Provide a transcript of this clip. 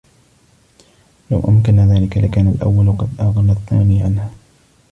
وَلَوْ أَمْكَنَ ذَلِكَ لَكَانَ الْأَوَّلُ قَدْ أَغْنَى الثَّانِيَ عَنْهَا